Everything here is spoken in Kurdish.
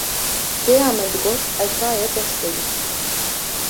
Dêya me digot: Ez va ye dest pê dikim